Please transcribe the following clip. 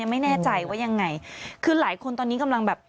ไม่แน่ใจว่ายังไงคือหลายคนตอนนี้กำลังแบบ